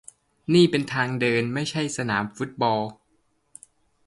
นี่เป็นทางเดินไม่ใช่สนามฟุตบอล